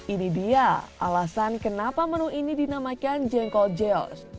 ini dia alasan kenapa menu ini dinamakan jengkol geos